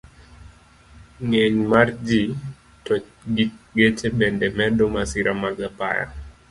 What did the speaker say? Ng'eny mar ji to gi geche bende medo masira mag apaya.